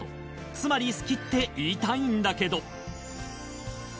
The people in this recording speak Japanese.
『つまり好きって言いたいんだけど、』。